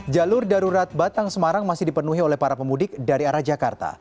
jalur darurat batang semarang masih dipenuhi oleh para pemudik dari arah jakarta